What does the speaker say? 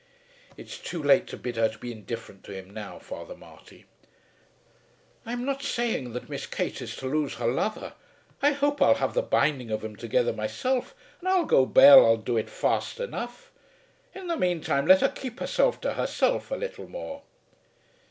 "It is too late to bid her to be indifferent to him now, Father Marty." "I am not saying that Miss Kate is to lose her lover. I hope I'll have the binding of 'em together myself, and I'll go bail I'll do it fast enough. In the meanwhile let her keep herself to herself a little more."